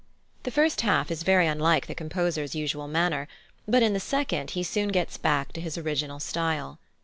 The first half is very unlike the composer's usual manner, but in the second he soon gets back to his original style.